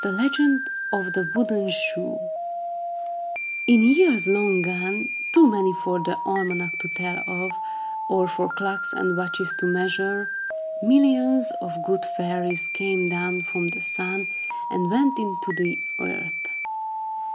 THE LEGEND OF THE WOODEN SHOE In years long gone, too many for the almanac to tell of, or for clocks and watches to measure, millions of good fairies came down from the sun and went into the earth.